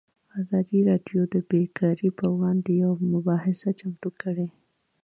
ازادي راډیو د بیکاري پر وړاندې یوه مباحثه چمتو کړې.